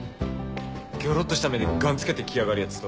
ギョロっとした目でガンつけて来やがるやつと。